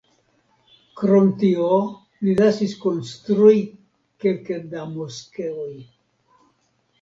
Krom tio li lasis konstrui kelke da moskeoj.